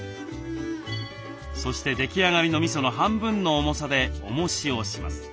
そして出来上がりのみその半分の重さでおもしをします。